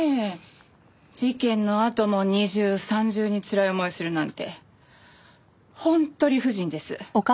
事件のあとも二重三重につらい思いをするなんて本当理不尽です。